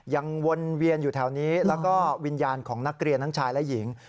วนเวียนอยู่แถวนี้แล้วก็วิญญาณของนักเรียนทั้งชายและหญิง